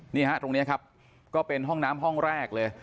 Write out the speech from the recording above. นี่ฮะตรงนี้ครับก็เป็นห้องน้ำห้องแรกเลย